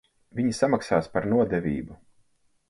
Viņi samaksās par nodevību.